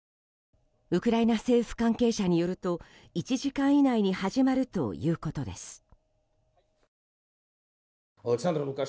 ウクライナ政府関係者によると１時間以内に始まるということです。